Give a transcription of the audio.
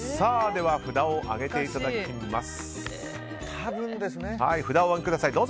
では札を上げていただきます。